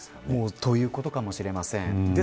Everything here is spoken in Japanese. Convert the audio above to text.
そういうことかもしれません。